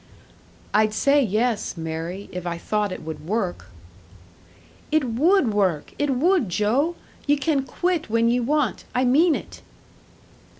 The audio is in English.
"I'd say yes, Mary, if I thought it would work." "It would work! It would, Joe! Ye can quit when ye want to. I mean it!"